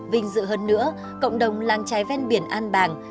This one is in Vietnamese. vinh dự hơn nữa cộng đồng làng trái ven biển an bàng